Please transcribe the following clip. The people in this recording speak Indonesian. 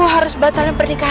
aku harus batalin pernikahan ini